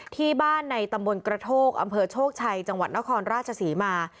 ที่บ้านในตำบลกระโทกอำเภอโชคชัยจังหวัดนครราชศรีมา